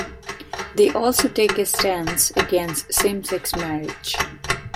They also take a stance against same-sex marriage.